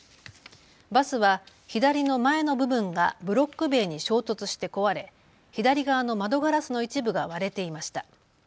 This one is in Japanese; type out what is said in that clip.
バスは左の前の部分がブロック塀に衝突して壊れ左側の窓ガラスの一部が割れていました。